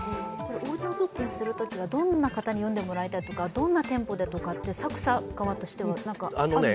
オーディオブックにするときはどんな方に読んでもらいたいとかどんなテンポでとか、作者側としては何かあるんですか？